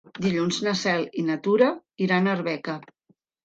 Dilluns na Cel i na Tura iran a Arbeca.